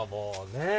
ねえ？